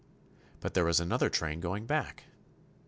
But there is another train going back.